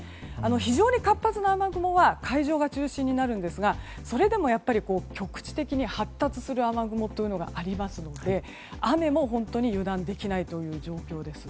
非常に活発な雨雲は海上が中心になるんですがそれでも、局地的に発達する雨雲がありますので雨も油断できないという状況です。